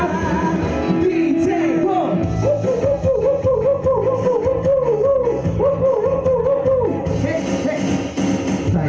หยุดมีท่าหยุดมีท่า